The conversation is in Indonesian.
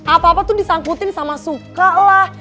apa apa tuh disangkutin sama suka lah